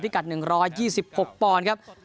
กัด๑๒๖ปอนด์ครับ